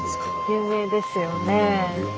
有名ですね。